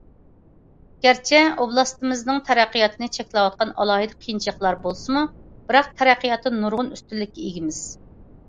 گەرچە ئوبلاستىمىزنىڭ تەرەققىياتىنى چەكلەۋاتقان ئالاھىدە قىيىنچىلىقلار بولسىمۇ، بىراق تەرەققىياتتا نۇرغۇن ئۈستۈنلۈككە ئىگىمىز.